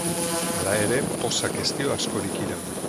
Hala ere, pozak ez dio askorik iraungo.